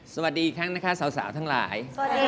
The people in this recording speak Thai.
สวัสดีครับ